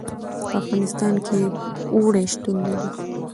په افغانستان کې اوړي شتون لري.